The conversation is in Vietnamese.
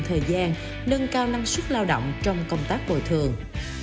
thời gian nâng cao năng suất lao động trong công tác bồi thường